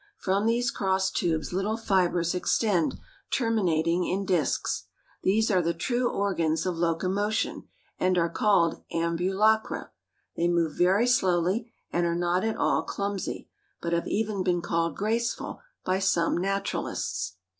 From these cross tubes little fibers extend, terminating in discs. These are the true organs of locomotion, and are called ambulacra. They move very slowly and are not at all clumsy, but have even been called graceful by some naturalists.